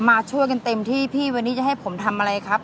มาช่วยกันเต็มที่พี่วันนี้จะให้ผมทำอะไรครับ